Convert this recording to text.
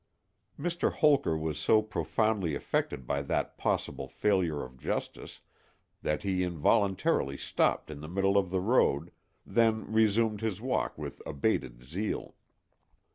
Mr. Holker was so profoundly affected by that possible failure of justice that he involuntarily stopped in the middle of the road, then resumed his walk with abated zeal.